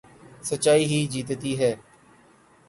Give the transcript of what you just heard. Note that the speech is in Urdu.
سچائی ہی جیتتی ہے